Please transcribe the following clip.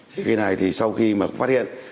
thì cái này thì sau khi mà phát hiện